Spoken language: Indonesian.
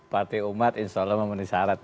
partai umat insya allah memenuhi syarat